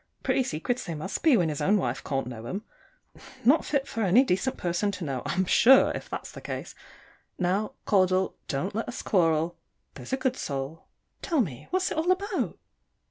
Pretty secrets they must be, when his own wife can't know 'em. Not fit for any decent person to know, I'm sure, if that's the case. Now, Caudle, don't let us quarrel, there's a good soul: tell me, what's it all about?